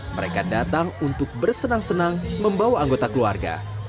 mereka datang untuk bersenang senang membawa anggota keluarga